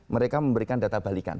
mereka memberikan data balikan